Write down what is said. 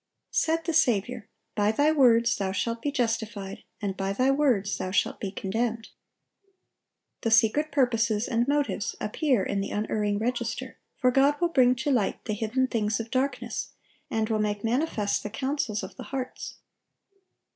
Said the Saviour: "By thy words thou shalt be justified, and by thy words thou shalt be condemned."(846) The secret purposes and motives appear in the unerring register; for God "will bring to light the hidden things of darkness, and will make manifest the counsels of the hearts."